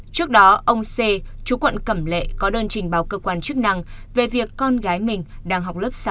trước đó ông xê chú quận cẩm lệ có đơn trình báo cơ quan chức năng về việc con gái mình đang học lớp sáu